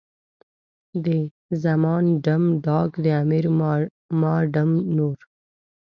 د زمان ډم، ډاګ، د امیر ما ډم نور.